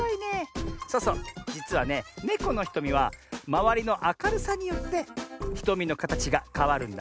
そうそうじつはねネコのひとみはまわりのあかるさによってひとみのかたちがかわるんだね。